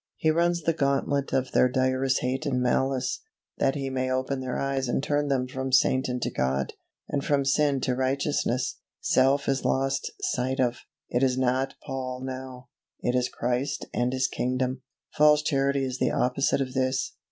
He runs the gauntlet of their direst hate and malice, that he may open their eyes and turn them from Satan to God, and from sin to righteousness. Self is lost sight of; it is not Paul now it is Christ and His kingdom. False Charity is the opposite of this.